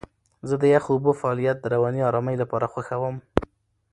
زه د یخو اوبو فعالیت د رواني آرامۍ لپاره خوښوم.